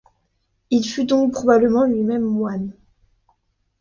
Il fut donc probablement lui-même moine.